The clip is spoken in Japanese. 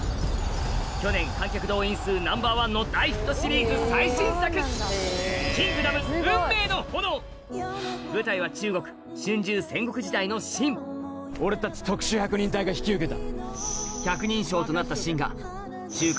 去年観客動員数ナンバーワンの大ヒットシリーズ最新作舞台は俺たち特殊百人隊が引き受けた。